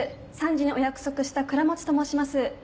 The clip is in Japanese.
３時にお約束した倉持と申します。